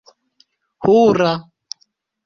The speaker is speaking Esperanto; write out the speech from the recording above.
hura